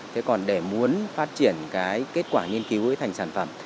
thế còn để muốn phát triển cái kết quả nghiên cứu ấy thành sản phẩm